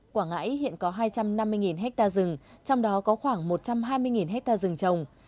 quảng ngãi hiện có hai trăm năm mươi ha rừng trong đó có khoảng một trăm hai mươi hectare rừng trồng